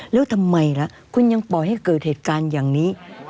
แล้วทำไมล่ะคุณยังปล่อยให้เกิดเหตุการณ์อย่างนี้